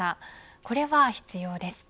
これは必要です。